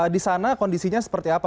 di sana kondisinya seperti apa